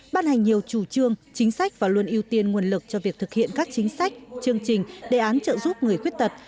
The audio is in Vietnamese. ban hành nhiều chủ trương chính sách và luôn ưu tiên nguồn lực cho việc thực hiện các chính sách chương trình đề án trợ giúp người khuyết tật